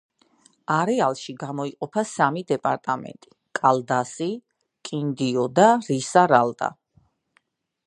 არეალში გამოიყოფა სამი დეპარტამენტი: კალდასი, კინდიო და რისარალდა.